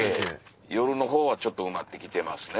夜のほうはちょっと埋まって来てますね。